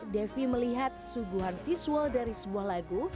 devi melihat suguhan visual dari sebuah lagu